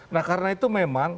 nah karena itu memang